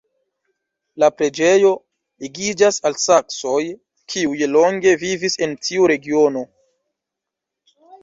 La preĝejo ligiĝas al saksoj, kiuj longe vivis en tiu regiono.